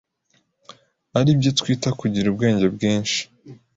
aribyo twita kugira ubwenge bwinshi